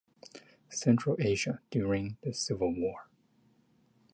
Central Asia during the Civil War.